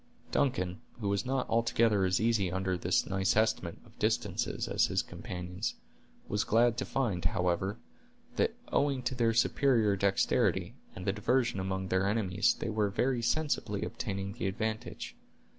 Duncan, who was not altogether as easy under this nice estimate of distances as his companions, was glad to find, however, that owing to their superior dexterity, and the diversion among their enemies, they were very sensibly obtaining the advantage.